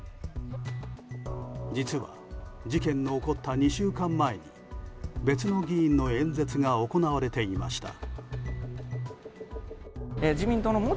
実は、事件の起こった２週間前に別の議員の演説が行われていました。